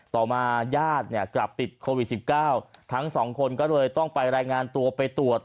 ต่อมาญาติเนี่ยกลับติดโควิด๑๙ทั้งสองคนก็เลยต้องไปรายงานตัวไปตรวจ